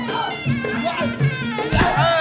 โอ๊ยโอ๊ย